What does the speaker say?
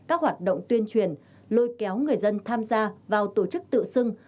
các hoạt động tuyên truyền lôi kéo người dân tham gia vào tổ chức tự xưng